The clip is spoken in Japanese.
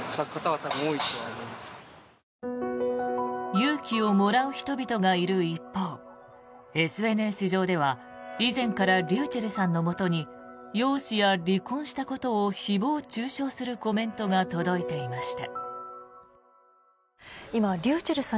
勇気をもらう人々がいる一方ＳＮＳ上では、以前からｒｙｕｃｈｅｌｌさんのもとに容姿や離婚したことを誹謗・中傷するコメントが届いていました。